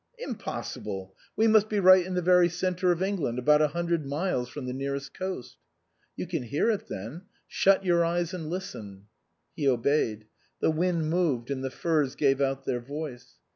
" Impossible ; we must be right in the very centre of England, about a hundred miles from the nearest coast." " You can hear it then. Shut your eyes and listen." He obeyed. The wind moved and the firs gave out their voice.